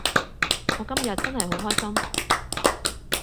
我今日真係好開心